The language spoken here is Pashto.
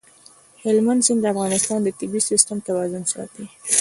هلمند سیند د افغانستان د طبعي سیسټم توازن ساتي.